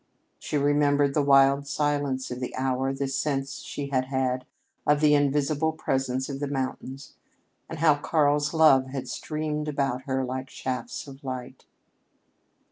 She remembered the wild silence of the hour, the sense she had had of the invisible presence of the mountains, and how Karl's love had streamed about her like shafts of light.